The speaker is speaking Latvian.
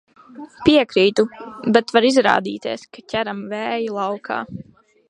Piekrītu, bet var izrādīties, ka ķeram vēju laukā.